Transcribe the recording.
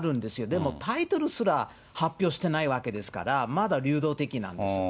でもタイトルすら発表してないわけですから、まだ流動的なんです。